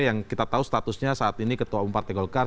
yang kita tahu statusnya saat ini ketua umum partai golkar